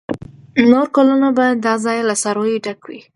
نور کلونه به دا ځای له څارویو ډک و.